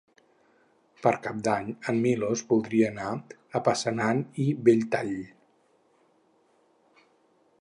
Per Cap d'Any en Milos voldria anar a Passanant i Belltall.